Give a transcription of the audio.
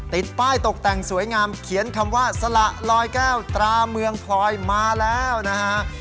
ติดป้ายตกแต่งสวยงามเขียนคำว่าสละลอยแก้วตราเมืองพลอยมาแล้วนะฮะ